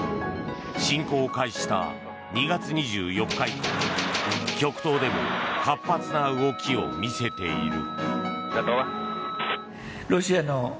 侵攻を開始した２月２４日以降極東でも活発な動きを見せている。